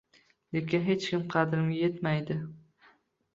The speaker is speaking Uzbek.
Lekin hech kim qadrimga etmaydi